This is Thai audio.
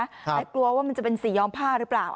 แต่กลัวว่ามันจะเป็นสีย้อมผ้าหรือเปล่า